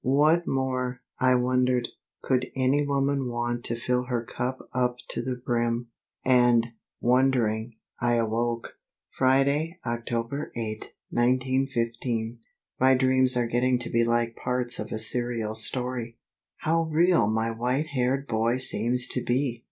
What more, I wondered, could any woman want to fill her cup up to the brim? And, wondering, I awoke. Friday, October 8, 1915. My dreams are getting to be like parts of a serial story. How real my white haired boy seems to be!